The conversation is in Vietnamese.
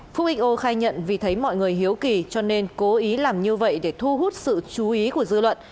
phúc xo khai nhận vì thấy mọi người hiếu kỳ cho nên cố ý làm như vậy để thu hút sự chú ý của dư luận